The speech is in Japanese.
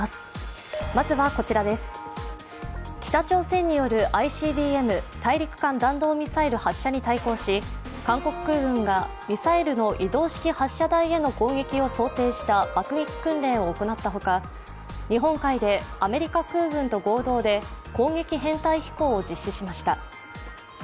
北朝鮮によるＩＣＢＭ＝大陸間弾道ミサイル発射に対抗し韓国空軍がミサイルの移動式発射台への攻撃を想定した爆撃訓練を行ったほか、日本海でアメリカ空軍と合同で攻撃編隊飛行を実施しました。